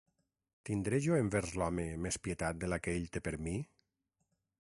Tindré jo envers l'home més pietat de la que ell té per mi?